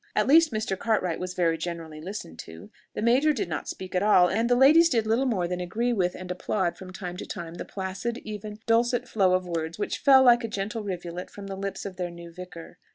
At least Mr. Cartwright was very generally listened to; the major did not speak at all; and the ladies did little more than agree with and applaud from time to time the placid, even, dulcet flow of words which fell like a gentle rivulet from the lips of their new vicar.